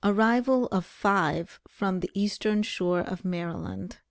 ARRIVAL OF FIVE FROM THE EASTERN SHORE OF MARYLAND.